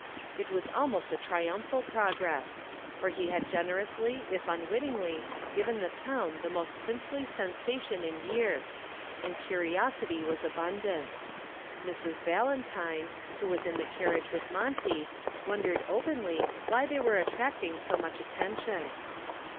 It was almost a triumphal progress, for he had generously if unwittingly given the town the most princely sensation in years, and curiosity was abundant. Mrs. Valentine, who was in the carriage with Monty, wondered openly why they were attracting so much attention.